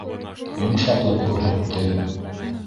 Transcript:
Йомшаҡлыҡ күрһәтте.